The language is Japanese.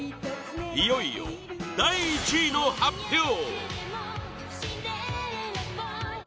いよいよ第１位の発表！